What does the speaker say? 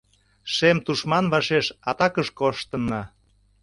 Шем тушман вашеш атакыш коштынна.